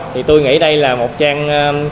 thì tôi nghĩ đây là một trang